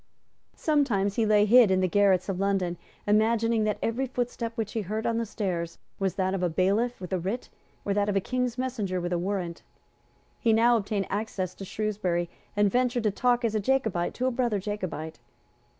Sometimes he lay hid in the garrets of London, imagining that every footstep which he heard on the stairs was that of a bailiff with a writ, or that of a King's messenger with a warrant. He now obtained access to Shrewsbury, and ventured to talk as a Jacobite to a brother Jacobite.